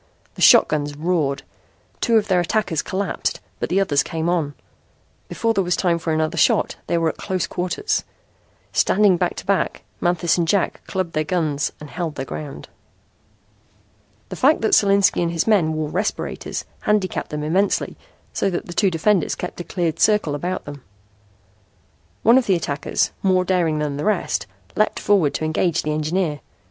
The shotguns roared. Two of their attackers collapsed, but the others came on. Before there was time for another shot they were at close quarters. Standing back to back, Manthis and Jack clubbed their guns and held their ground. The fact that Solinski and his men wore respirators handicapped them immensely, so that the two defenders kept a cleared circle about them. One of the attackers, more daring than the rest, leaped forward to engage the engineer.